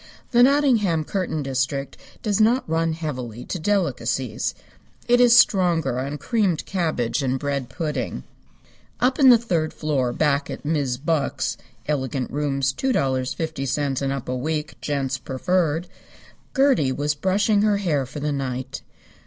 The Nottingham curtain district does not run heavily to delicacies. It is stronger on creamed cabbage and bread pudding. Up in the third floor back at Mis' Buck's (elegant rooms $2.50 and up a week. Gents preferred) Gertie was brushing her hair for the night.